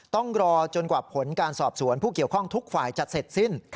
ต้องรอจนกว่าผลการสอบสวนผู้เกี่ยวข้องทุกฝ่ายจะเสร็จสิ้น